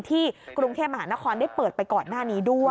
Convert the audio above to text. กรุงเทพมหานครได้เปิดไปก่อนหน้านี้ด้วย